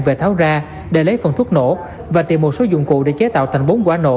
về tháo ra để lấy phần thuốc nổ và tìm một số dụng cụ để chế tạo thành bốn quả nổ